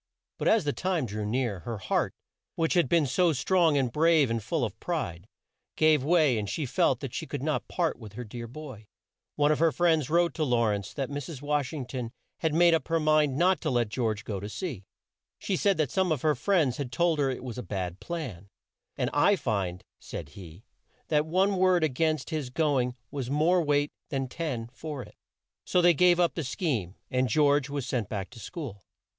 But as the time drew near, her heart, which had been so strong and brave and full of pride, gave way and she felt that she could not part with her dear boy. One of her friends wrote to Law rence that Mrs. Wash ing ton had made up her mind not to let George go to sea. She said that some of her friends had told her it was a bad plan, and "I find," said he "that one word a gainst his go ing has more weight than ten for it." So they gave up the scheme, and George was sent back to school.